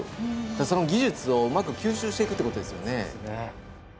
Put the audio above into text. その技術をうまく吸収していくってことですよね。